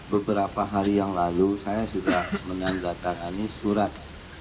beberapa hari yang lalu saya sudah menandatangani surat